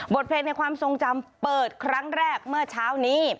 เพลงในความทรงจำเปิดครั้งแรกเมื่อเช้านี้